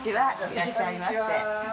いらっしゃいませ。